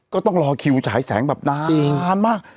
ก็ต้องรอคิวฉายแสงแบบนานนานมาก